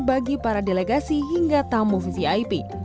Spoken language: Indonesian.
bagi para delegasi hingga tamu vvip